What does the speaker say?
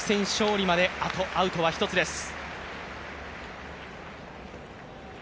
利まであとアウトは１つです。